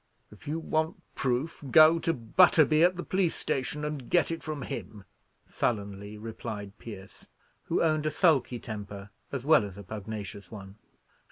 "If you want proof, go to Butterby at the police station, and get it from him," sullenly replied Pierce, who owned a sulky temper as well as a pugnacious one.